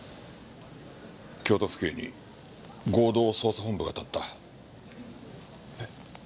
京都府警に合同捜査本部が立った。え？